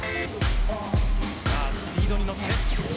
スピードに乗って。